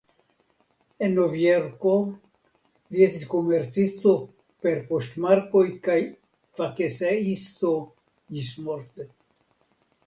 En Novjorko li estis komercisto per poŝtmarkoj kaj fakeseisto ĝismorte.